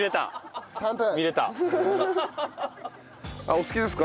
お好きですか？